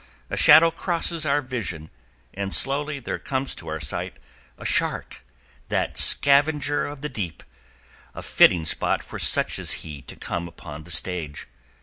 A shadow crosses our vision, and slowly there comes to our sight a shark, that scavenger of the deep, a fitting spot for such as he to come upon the stage.